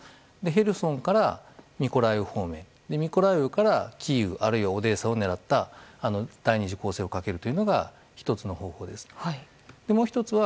ヘルソンからミコライウ方面ミコライウからキーウあるいはオデーサを狙った第２次の攻勢をかけるというのが１つの方向です。